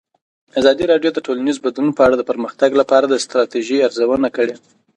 ازادي راډیو د ټولنیز بدلون په اړه د پرمختګ لپاره د ستراتیژۍ ارزونه کړې.